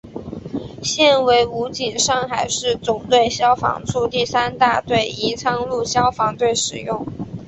现为武警上海市总队消防处第三大队宜昌路消防队使用。